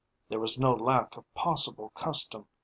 There was no lack of possible custom.